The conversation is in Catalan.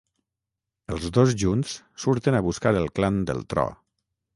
Els dos junts surten a buscar el clan del tro.